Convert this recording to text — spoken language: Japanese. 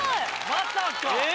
まさか。